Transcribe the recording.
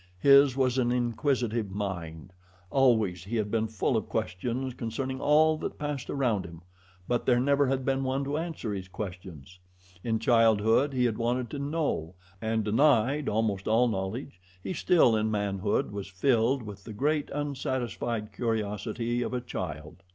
His was an inquisitive mind. Always he had been full of questions concerning all that passed around him; but there never had been one to answer his questions. In childhood he had wanted to KNOW, and, denied almost all knowledge, he still, in manhood, was filled with the great, unsatisfied curiosity of a child.